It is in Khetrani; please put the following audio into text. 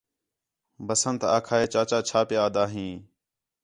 بسنت آکھا ہِے چاچا چَھا پِیا آہدا ہیں